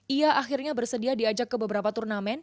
ia akhirnya bersedia diajak ke beberapa turnamen